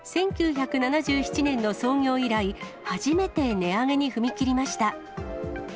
１９７７年の創業以来、初めて値上げに踏み切りました。